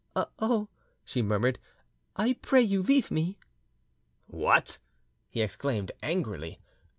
"Oh," she murmured, "I pray you leave me." "What!" he exclaimed angrily.